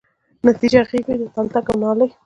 تبجنه غیږ وی د تلتک او نالۍ